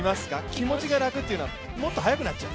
気持ちが楽というのはもっと速くなっちゃう？